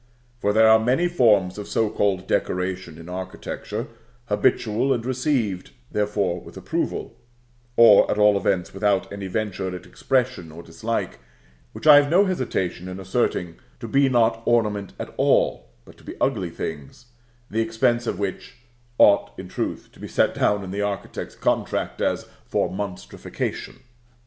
For there are many forms of so called decoration in architecture, habitual, and received, therefore, with approval, or at all events without any venture at expression or dislike, which I have no hesitation in asserting to be not ornament at all, but to be ugly things, the expense of which ought in truth to be set down in the architect's contract, as "For Monstrification."